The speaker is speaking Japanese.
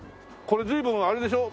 これ随分あれでしょ？